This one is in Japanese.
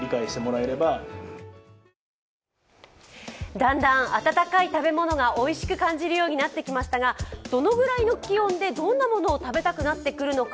だんだん、温かい食べ物がおいしく感じるようになってきましたがどのぐらいの気温で、どんなものを食べたくなってくるのか。